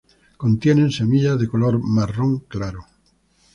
Contienen semillas de color marrón claro.